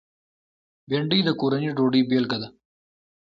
بېنډۍ د کورني ډوډۍ بېلګه ده